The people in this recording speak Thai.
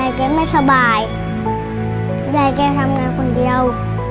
แกไม่สบายยายแกทำงานคนเดียว